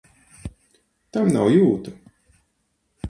Tam nav jūtu!